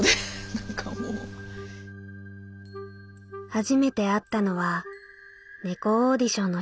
「初めて会ったのは猫オーディションの日である。